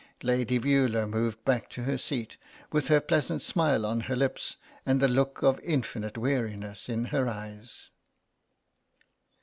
'" Lady Veula moved back to her seat, with her pleasant smile on her lips and the look of infinite weariness in her eyes.